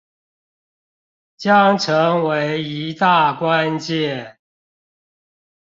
將成為一大關鍵